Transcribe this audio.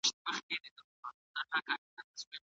هیڅوک باید په تاریخ کي درواغ ونه وایي.